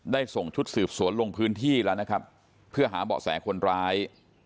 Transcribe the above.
ส่งชุดสืบสวนลงพื้นที่แล้วนะครับเพื่อหาเบาะแสคนร้าย